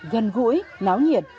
gần gũi náo nhiệt